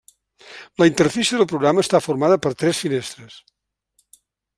La interfície del programa està formada per tres finestres.